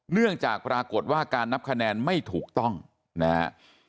เนื่องจากปรากฏว่าการนับคะแนนไม่ถูกต้องนะฮะ